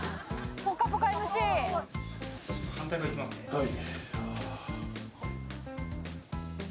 はい。